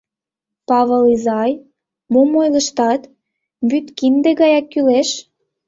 Павыл изай, мом ойлыштат, вӱд кинде гаяк кӱлеш.